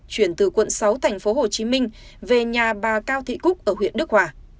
chuyển từ quận sáu tp hcm về nhà bà cao thị cúc ở huyện đức hòa